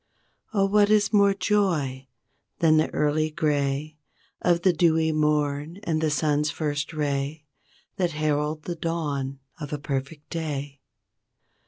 Oh what is more joy than the early gray Of the dewy morn and the sun's first ray That herald the dawn of a perfect day?